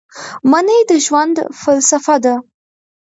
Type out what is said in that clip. مني د ژوند فلسفه ده